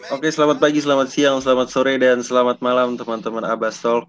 oke selamat pagi selamat siang selamat sore dan selamat malam untuk teman teman abastolk